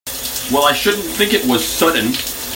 Well I should think it was sudden!